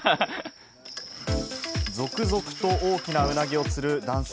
続々と大きなウナギを釣る男性。